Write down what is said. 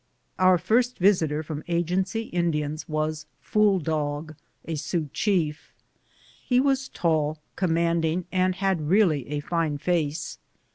Our first visitor from Agency Indians was Fool dog, a Sioux chief. He was tall, commanding, and had really a fine face.